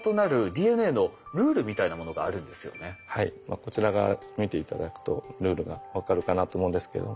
こちらが見て頂くとルールが分かるかなと思うんですけれども。